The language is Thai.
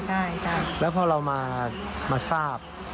ใช่แล้วพอเรามาทราบ